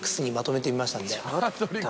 ちょっと。